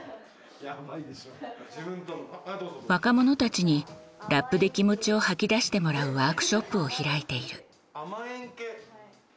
若者たちにラップで気持ちを吐き出してもらうワークショップを開いている。